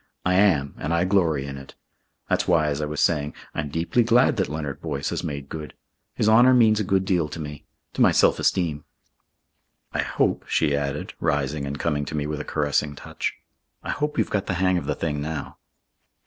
I am, and I glory in it. That's why, as I was saying, I'm deeply glad that Leonard Boyce has made good. His honour means a good deal to me to my self esteem. I hope," she added, rising and coming to me with a caressing touch. "I hope you've got the hang of the thing now."